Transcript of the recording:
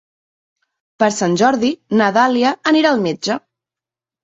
Per Sant Jordi na Dàlia anirà al metge.